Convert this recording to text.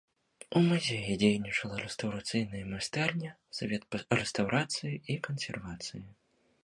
У музеі дзейнічала рэстаўрацыйная майстэрня, савет па рэстаўрацыі і кансервацыі.